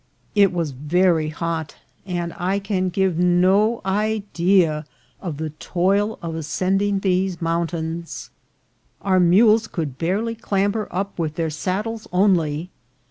It was very hot, and I can give no idea of the toil of ascending these mountains. Our mules could barely clamber up with their saddles only.